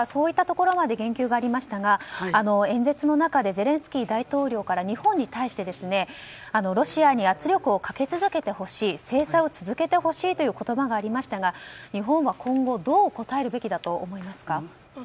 そういったところまで言及がありましたが演説の中でゼレンスキー大統領から日本に対してロシアに圧力をかけ続けてほしい制裁を続けてほしいという言葉がありましたが日本は今後どう応えるべきだと思いますか？